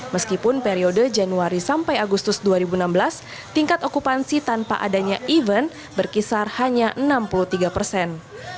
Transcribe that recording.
meskipun periode januari sampai agustus dua ribu enam belas tingkat okupansi tanpa adanya event berkisar hanya enam puluh tiga persen